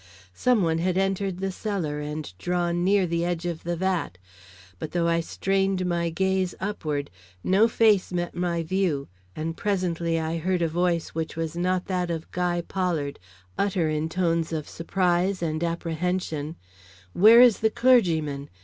Some one had entered the cellar and drawn near the edge of the vat; but though I strained my gaze upward, no face met my view, and presently I heard a voice which was not that of Guy Pollard utter in tones of surprise and apprehension: "Where is the clergyman?